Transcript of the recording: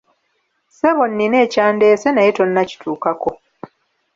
Ssebo nnina ekyandeese naye tonnakituukako!